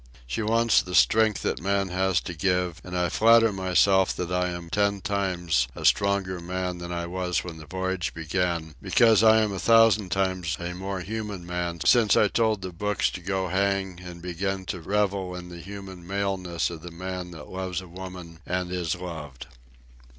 She wants the strength that man has to give, and I flatter myself that I am ten times a stronger man than I was when the voyage began, because I am a thousand times a more human man since I told the books to go hang and began to revel in the human maleness of the man that loves a woman and is loved.